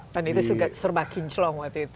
kan itu suka serba kinclong waktu itu